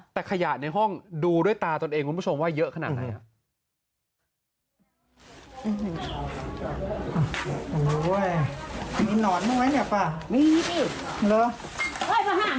แต่ขยะในห้องดูด้วยตาตนเองคุณผู้ชมว่าเยอะขนาดไหนครับ